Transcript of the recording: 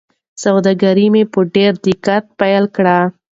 سوداګري مې په ډېر دقت پیل کړه.